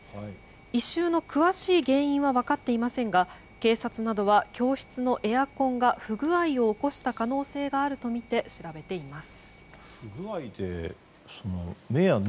異臭の詳しい原因は分かっていませんが警察などは教室のエアコンが不具合を起こした可能性があるとみて調べています。